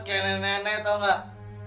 kayak nenek nenek tau gak